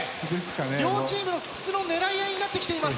両チームの筒の狙い合いになってきています。